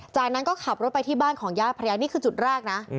จากนั้นก็ขับรถไปที่บ้านของญาติภรรยานี่คือจุดแรกนะ